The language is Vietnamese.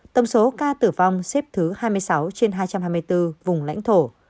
tổng số ca tử vong xếp thứ hai mươi sáu trên hai trăm hai mươi bốn vùng lãnh thổ